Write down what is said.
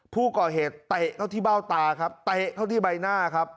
ผู้ก่อเหตุเตะเข้าที่เบ้าตาครับเตะเข้าที่ใบหน้าครับ